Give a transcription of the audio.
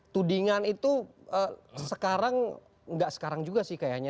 tudingan itu sekarang nggak sekarang juga sih kayaknya